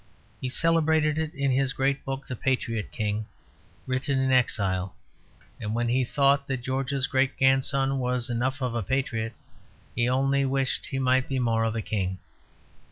He celebrated it in his great book "The Patriot King," written in exile; and when he thought that George's great grandson was enough of a patriot, he only wished that he might be more of a king.